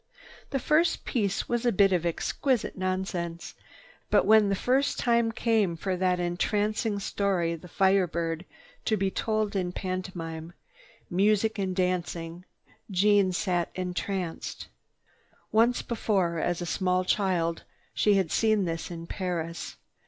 The first piece was a bit of exquisite nonsense. But when the time came for that entrancing story, "The Fire Bird," to be told in pantomime, music and dancing, Jeanne sat entranced. Once before, as a small child, she had seen this in Paris.